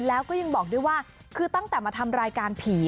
แล้วก็ยังบอกด้วยว่าคือตั้งแต่มาทำรายการผี